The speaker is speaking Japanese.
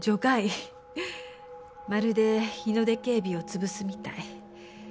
まるで日ノ出警備を潰すみたい。